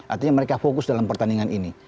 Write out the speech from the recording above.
artinya mereka fokus dalam pertandingan ini